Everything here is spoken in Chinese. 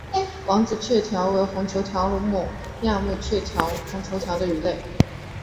王子雀鲷为辐鳍鱼纲鲈形目隆头鱼亚目雀鲷科雀鲷属的鱼类。